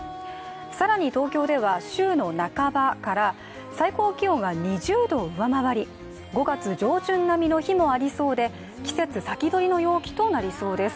更に東京では週の半ばから最高気温が２０度を上回り５月上旬並みの日もありそうで季節先取りの陽気となりそうです。